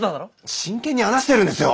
真剣に話してるんですよ！